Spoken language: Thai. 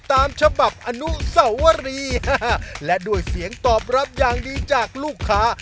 ตามฉบับอนุสวรีและด้วยเสียงตอบรับอย่างดีจากลูกค้า